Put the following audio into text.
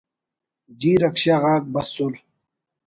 جی رکشہ غاک بسُر